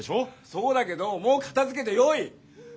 そうだけどもう片づけてよい！